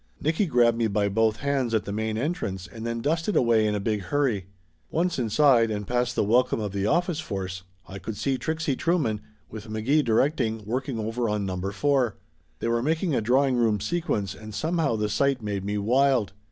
Nicky grabbed me by both hands at the main entrance, and then dusted away in a big hurry. Once inside, and past the welcome of the office force, I could see Trixie Trueman, with McGee directing, working over on Number Four. They were making a drawing room sequence, and somehow the sight made me wild.